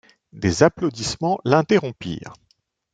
Des applaudissements l’interrompirent.